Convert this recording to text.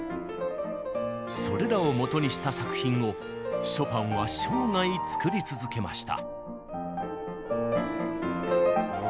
それらをもとにした作品をショパンは生涯作り続けました。